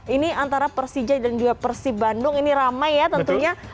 ini antara persija dan juga persib bandung ini ramai ya tentunya